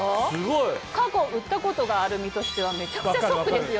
過去売ったことがある身としてはめちゃくちゃショックですよ。